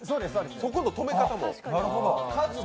そこの止め方も。